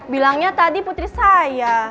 bilangnya tadi putri saya